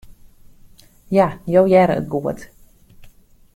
Ja, jo hearre it goed.